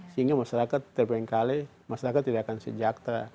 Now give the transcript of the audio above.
sehingga masyarakat terpengkali masyarakat tidak akan sejahtera